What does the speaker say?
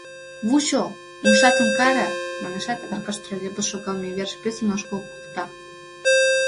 Вучо, умшатым каре! — манешат, Аркаш троллейбус шогалме верыш писын ошкыл колта.